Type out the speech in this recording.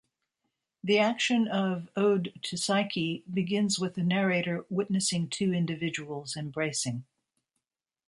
The action of "Ode to Psyche" begins with a narrator witnessing two individuals embracing.